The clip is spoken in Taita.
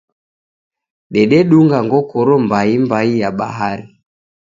Dededunga ngokoro mbai mbai ya bahari